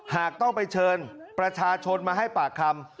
หากต้องไปเชิญประชาชนมาให้ปากคำ